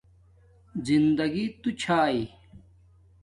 زندگݵ تو چھݳی